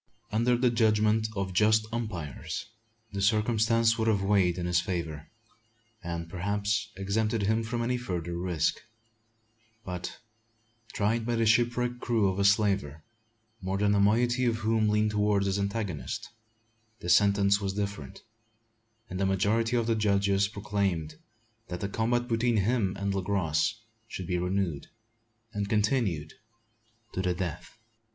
Under the judgment of just umpires this circumstance would have weighed in his favour; and, perhaps, exempted him from any further risk; but, tried by the shipwrecked crew of a slaver, more than a moiety of whom leaned towards his antagonist, the sentence was different; and the majority of the judges proclaimed that the combat between him and Le Gros should be renewed, and continued to the death.